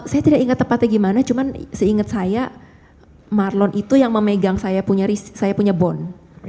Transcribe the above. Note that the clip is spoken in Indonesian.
saya tidak ingat tempatnya gimana cuma seinget saya marlon itu yang memegang saya punya bond